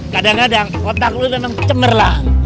kadang kadang otak lu memang cemerlang